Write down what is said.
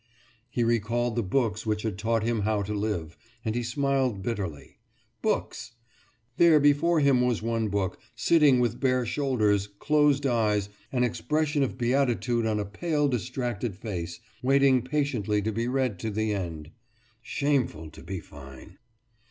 He recalled the books which had taught him how to live, and he smiled bitterly. Books! There before him was one book, sitting with bare shoulders, closed eyes, an expression of beatitude on a pale distracted face, waiting patiently to be read to the end. Shameful to be fine....